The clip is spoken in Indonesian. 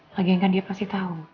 lagian kan dia pasti tau